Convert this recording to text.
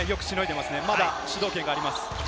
まだ主導権があります。